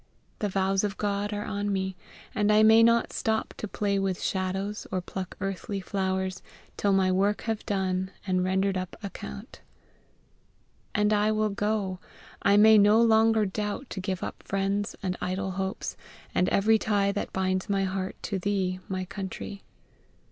the vows of GOD are | on me; | and I may not stop to play with shadows or pluck earthly flowers, | till I my work have done, and | rendered up ac | count. 3. And I will | go! | I may no longer doubt to give up friends, and idol | hopes, | and every tie that binds my heart to | thee, my | country.